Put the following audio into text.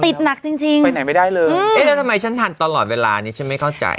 หนักจริงจริงไปไหนไม่ได้เลยเอ๊ะแล้วทำไมฉันทันตลอดเวลานี้ฉันไม่เข้าใจ